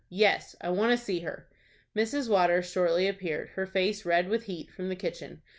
"Yes, I want to see her." Mrs. Waters shortly appeared, her face red with heat, from the kitchen.